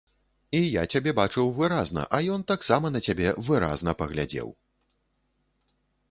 І я цябе бачыў выразна, а ён таксама на цябе выразна паглядзеў.